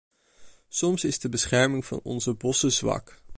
Soms is de bescherming van onze bossen zwak.